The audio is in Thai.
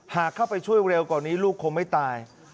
หากเข้าไปช่วยเร็วกว่านี้ลูกคงไม่ตาย